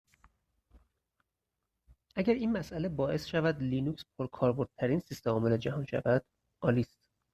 اگر این مساله باعث شود که لینوکس پرکاربردترین سیستم عامل جهان شود، عالی است.